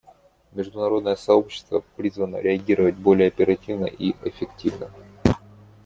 Международное сообщество призвано реагировать более оперативно и эффективно.